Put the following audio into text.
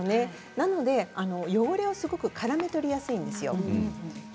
汚れを、すごくからめ捕りやすいんですよ。